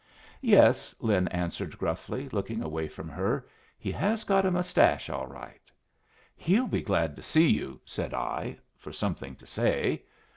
"Yes," Lin answered, gruffly, looking away from her, "he has got a mustache all right." "He'll be glad to see you," said I, for something to say.